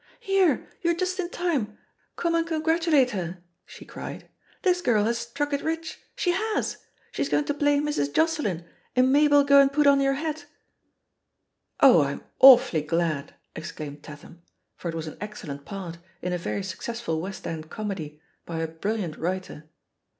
"Here, you're just in time; come and congratu late her!" she cried. "This girl has struck it rich. She has 1 She's going to play *Mrs. Joce lyn' in Mabel, Go and Put On Your Hat.'* fr« THE POSITION OF PEGGY HARPER "Oh, I*m awfully gladT' exclaimed Tatham, for it was an excellent part in a very successful [West End comedy by a brilliant writer.